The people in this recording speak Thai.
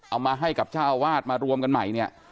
เอามาให้กับเจ้าอาวาสมารวมกันใหม่เนี่ย